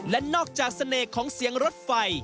และนอกจากเสน่ห์ของเสียงรถไฟ